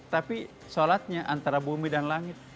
tapi sholatnya antara bumi dan langit